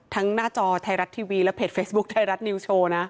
หน้าจอไทยรัฐทีวีและเพจเฟซบุ๊คไทยรัฐนิวโชว์นะ